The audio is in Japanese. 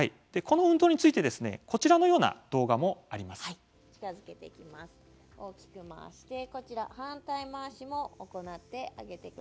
この運動についてこちらのような動画もあります。